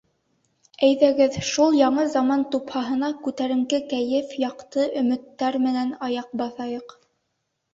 Әйҙәгеҙ, шул яңы заман тупһаһына күтәренке кәйеф, яҡты өмөттәр менән аяҡ баҫайыҡ.